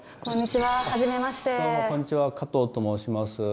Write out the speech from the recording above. こんにちは加藤と申します。